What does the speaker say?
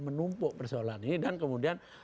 menumpuk persoalan ini dan kemudian